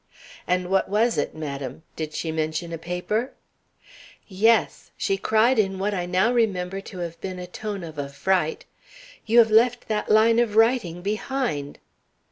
"And what was it, madam? Did she mention a paper?" "Yes, she cried in what I now remember to have been a tone of affright: 'You have left that line of writing behind!'